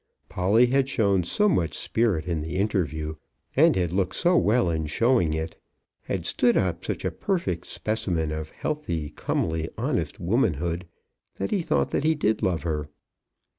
Polly had shown so much spirit in the interview, and had looked so well in showing it, had stood up such a perfect specimen of healthy, comely, honest womanhood, that he thought that he did love her.